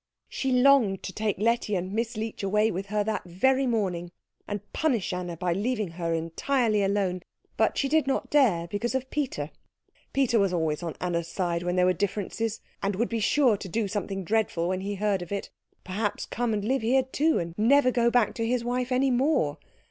She longed to take Letty and Miss Leech away with her that very morning, and punish Anna by leaving her entirely alone; but she did not dare because of Peter. Peter was always on Anna's side when there were differences, and would be sure to do something dreadful when he heard of it perhaps come and live here too, and never go back to his wife any more.